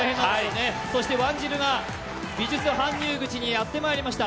ワンジルが美術搬入口にやってまいりました。